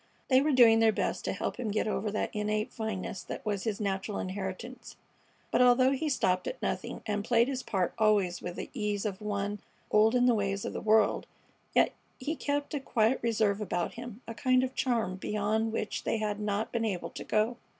They were doing their best to help him get over that innate fineness that was his natural inheritance, but although he stopped at nothing, and played his part always with the ease of one old in the ways of the world, yet he kept a quiet reserve about him, a kind of charm beyond which they had not been able to go.